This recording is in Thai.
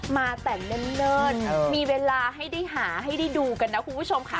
มาแต่เนิ่นมีเวลาให้ได้หาให้ได้ดูกันนะคุณผู้ชมค่ะ